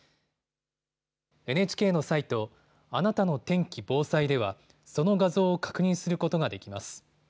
ＮＨＫのサイト、あなたの天気・防災では、その画像を確認することができます。